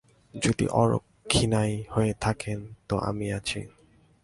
যদি অরক্ষণীয়া হয়ে থাকেন তো আমি আছি।